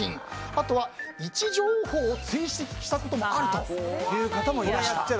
あとは位置情報を追跡したことがあるという方もいらっしゃったと。